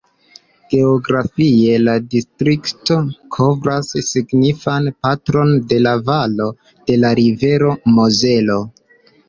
Geografie la distrikto kovras signifan parton de la valo de la rivero Mozelo.